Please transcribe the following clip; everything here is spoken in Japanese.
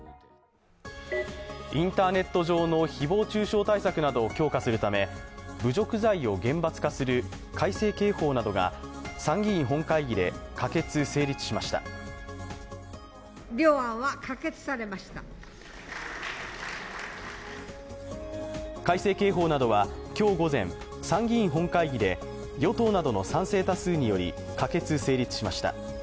インターネット上の誹謗中傷対策などを強化するため侮辱罪を厳罰化する改正刑法などが参議院本会議で可決・成立しました改正刑法などは今日午前、参議院本会議で与党などの賛成多数により可決・成立しました。